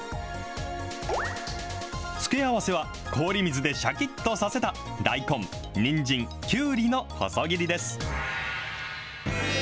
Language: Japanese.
付け合わせは、氷水でしゃきっとさせた大根、にんじん、きゅうりの細切りです。